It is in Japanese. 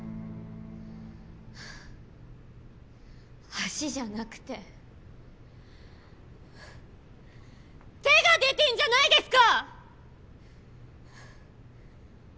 足じゃなくて手が出てんじゃないですか！